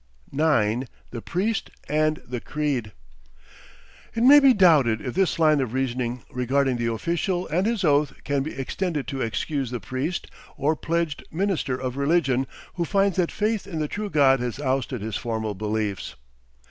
9. THE PRIEST AND THE CREED It may be doubted if this line of reasoning regarding the official and his oath can be extended to excuse the priest or pledged minister of religion who finds that faith in the true God has ousted his formal beliefs.